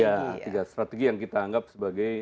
ya tiga strategi yang kita anggap sebagai